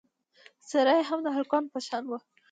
څېره یې د هلکانو په شان وه.